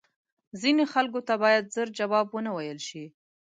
ځینو خلکو ته باید زر جواب وه نه ویل شې